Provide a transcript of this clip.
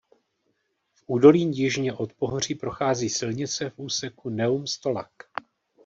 V údolí jižně od pohoří prochází silnice v úseku Neum–Stolac.